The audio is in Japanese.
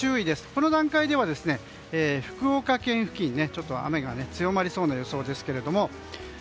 この段階では、福岡県付近でちょっと雨が強まりそうな予想ですけども。